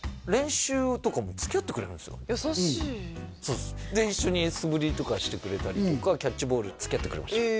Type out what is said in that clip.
へえ優しいそうですで一緒に素振りとかしてくれたりとかキャッチボールつきあってくれました